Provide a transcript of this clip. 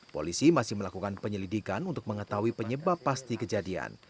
polisi masih melakukan penyelidikan untuk mengetahui penyebab pasti kejadian